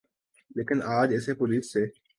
لیکن اج اسے پولیس سے